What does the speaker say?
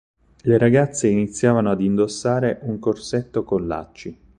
Le ragazze iniziavano ad indossare un corsetto con lacci.